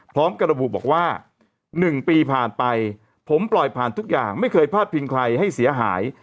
พร้อมกับระบุบอกว่า๑ปีผ่านไปผมปล่อยผ่านทุกอย่างไม่เคยพลาดพิงใครให้เสียหาย